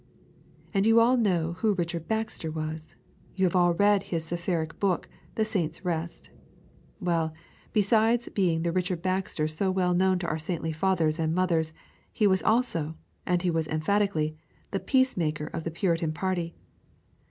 And you all know who Richard Baxter was. You have all read his seraphic book, The Saints' Rest. Well, besides being the Richard Baxter so well known to our saintly fathers and mothers, he was also, and he was emphatically, the peace maker of the Puritan party.